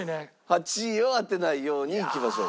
８位を当てないようにいきましょうか。